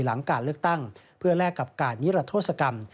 หลังการเลือกตั้งเพื่อแลกกับการนิรัทธศกรรม